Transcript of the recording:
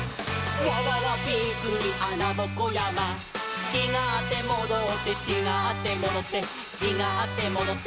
「わわわびっくりあなぼこやま」「ちがってもどって」「ちがってもどってちがってもどって」